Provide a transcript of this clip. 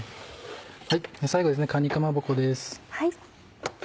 最後かにかまぼこです。